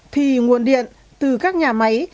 thì nguồn điện từ các nhà máy